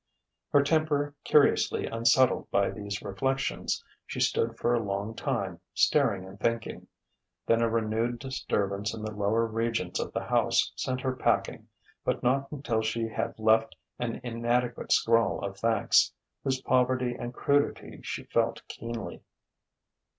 Her temper curiously unsettled by these reflections, she stood for a long time, staring and thinking. Then a renewed disturbance in the lower regions of the house sent her packing but not until she had left an inadequate scrawl of thanks, whose poverty and crudity she felt keenly.